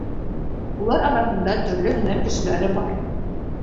Улар араһында төрлө һөнәр кешеләре бар.